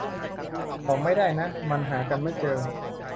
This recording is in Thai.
ต่อไม่ได้นะ มันหากันไม่เจอ